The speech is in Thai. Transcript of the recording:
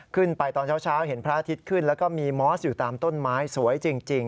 ตอนเช้าเห็นพระอาทิตย์ขึ้นแล้วก็มีมอสอยู่ตามต้นไม้สวยจริง